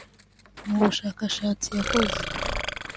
Mu bushakashatsi yakoze